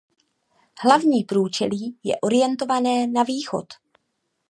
Hlavní průčelí je orientované na východ.